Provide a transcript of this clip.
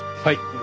はい。